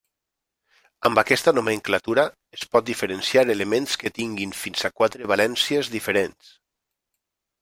Amb aquesta nomenclatura es pot diferenciar elements que tinguin fins a quatre valències diferents.